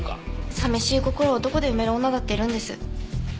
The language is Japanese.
寂しい心を男で埋める女だっているんです。